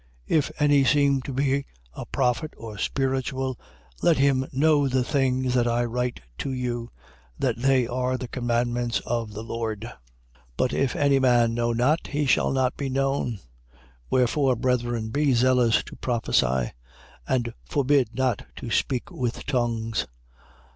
14:37. If any seem to be a prophet or spiritual, let him know the things that I write to you, that they are the commandments of the Lord. 14:38. But if any man know not, he shall not be known. 14:39. Wherefore, brethren, be zealous to prophesy: and forbid not to speak with tongues.